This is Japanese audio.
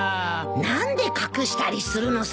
何で隠したりするのさ。